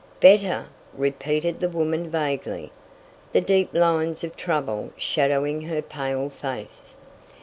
"Better!" repeated the woman vaguely, the deep lines of trouble shadowing her pale face.